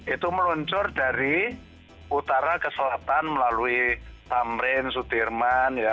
itu meluncur dari utara ke selatan melalui tamrin sudirman